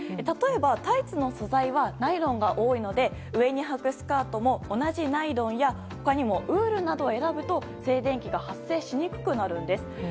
例えばタイツの素材はナイロンが多いので上にはくスカートも同じナイロンや他にもウールなどを選ぶと静電気が発生しにくくなるんです。